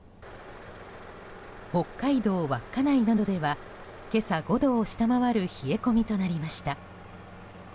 北海道稚内などでは今朝５度を下回る冷え込みとなりました。